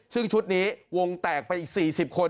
ซึ่งชุดนี้วงแตกไปอีก๔๐คน